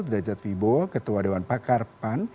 derajat vibo ketua dewan pakar pan